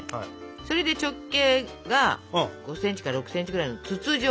それで直径が５ｃｍか６ｃｍぐらいの筒状。